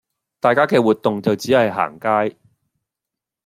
大家嘅活動就只係行街